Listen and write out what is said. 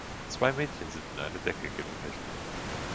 Zwei Mädchen sind in eine Decke gewickelt.